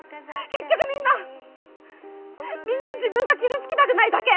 結局みんなみんな自分が傷つきたくないだけ。